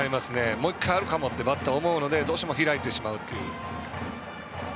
もう１回あるかもとバッターは思うのでどうしても開いてしまうという。